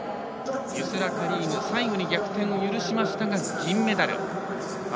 ユスラ・カリーム、最後に逆転を許しましたが銀メダル。